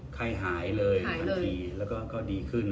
ไข้หายเลยแล้วก็ดีขึ้น